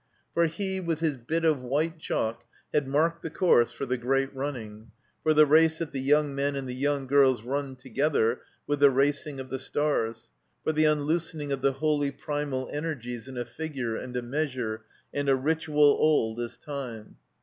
For he, with his bit of white chalk, had marked the course for the great running, for the race that the yoimg men and the young girls run together with the racing of the stars, for the imloosening of the holy primal energies in a figure and a measure and a ritual old as time.